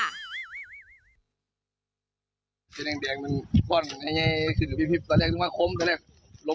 โลมมาทางนี้นะครับแต่วันนี้มันกลับแล้วครับมันยี่ย่อนกับล้ม